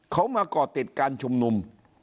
เขามาก่อติดการชุมนุม